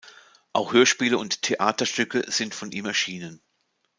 Auch Hörspiele und Theaterstücke sind von ihm erschienen.